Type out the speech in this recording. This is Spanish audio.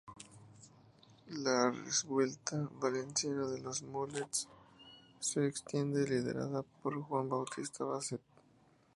La revuelta valenciana de los "maulets" se extiende liderada por Juan Bautista Basset.